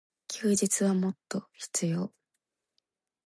休日はもっと必要。